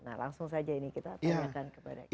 nah langsung saja ini kita tanyakan kepada kita